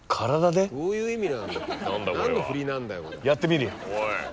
やってみるよ。